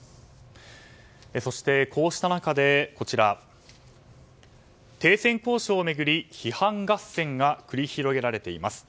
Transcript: そしてこうした中で停戦交渉を巡り批判合戦が繰り広げられています。